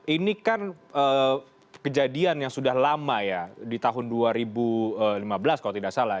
ini kan kejadian yang sudah lama ya di tahun dua ribu lima belas kalau tidak salah